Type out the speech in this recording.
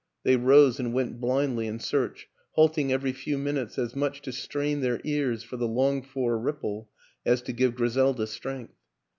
They rose and went blindly in search halting every few minutes as much to strain their ears for the longed for ripple as to give Griselda strength.